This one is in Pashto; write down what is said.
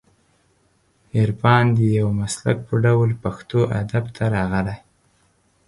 عرفان د یو مسلک په ډول پښتو ادب ته راغلی